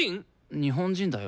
日本人だよ。